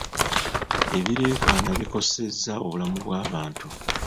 Ebireekaana bikosezza obulamu bw'abantu.